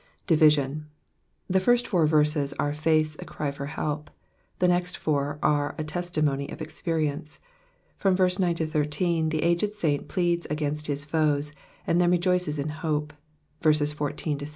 Division. — The first four verses are faith's cry for help ; the next four are a tesiimomf cf experience. From verse 9—13, the aged saint pleads against his foes, and then rejoices in hope, verses 14 — 16.